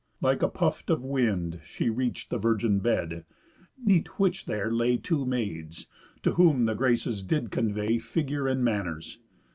Like a puft of wind She reach'd the virgin bed; neat which there lay Two maids, to whom the Graces did convey Figure and manners.